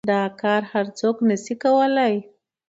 دا كار هر سوك نشي كولاى.